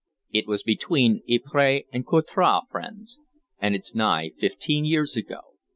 It was between Ypres and Courtrai, friends, and it's nigh fifteen years ago.